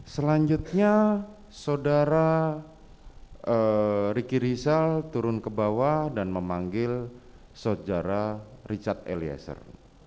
selanjutnya saudara riki rizal turun ke bawah dan memanggil saudara richard eliezer